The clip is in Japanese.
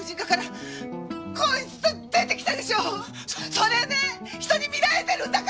それね人に見られてるんだからね！